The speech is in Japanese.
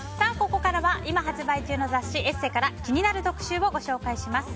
ここからは今発売中の雑誌「ＥＳＳＥ」から気になる特集をご紹介します。